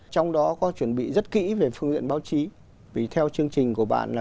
trong đó có chuẩn bị rất kỹ về phương diện báo chí vì theo chương trình của bạn